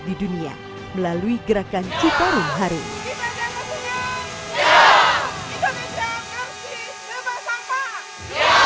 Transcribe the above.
di dunia melalui gerakan citarung hari kita jangan ke sini indonesia mesti lepas sampah ya